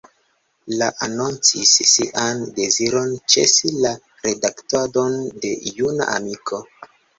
Li anoncis sian deziron ĉesi la redaktadon de Juna Amiko.